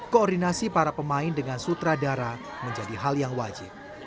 koordinasi para pemain dengan sutradara menjadi hal yang wajib